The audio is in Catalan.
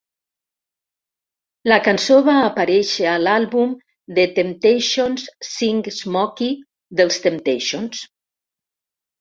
La cançó va aparèixer a l'àlbum The Temptations Sing Smokey dels Temptations.